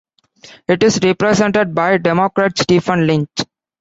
It is represented by Democrat Stephen Lynch.